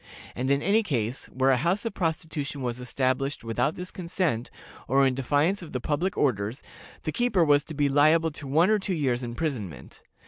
And in any case where a house of prostitution was established without this consent, or in defiance of the public orders, the keeper was to be liable to one or two years' imprisonment.